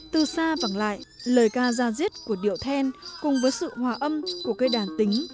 từ xa bằng lại lời ca ra diết của điệu then cùng với sự hòa âm của cây đàn tính